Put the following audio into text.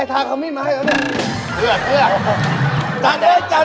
แม่หน้าของพ่อหน้าของพ่อหน้า